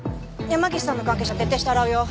山岸さんの関係者徹底して洗うよ。